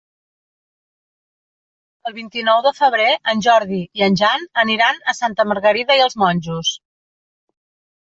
El vint-i-nou de febrer en Jordi i en Jan aniran a Santa Margarida i els Monjos.